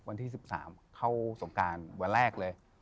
วันที่๑๓เข้าสงการวันแรกเลย